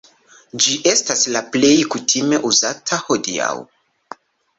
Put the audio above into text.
Ĝi estas la plej kutime uzata hodiaŭ.